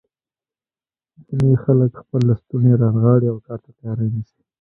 ځینې خلک خپل لستوڼي رانغاړي او کار ته تیاری نیسي.